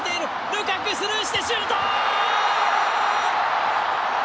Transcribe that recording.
ルカクスルーしてシュート！